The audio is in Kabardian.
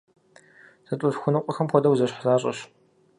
ЗэтӀолъхуэныкъуэхэм хуэдэу зэщхь защӏэщ.